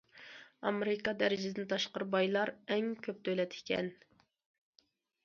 ئامېرىكا دەرىجىدىن تاشقىرى بايلار ئەڭ كۆپ دۆلەت ئىكەن.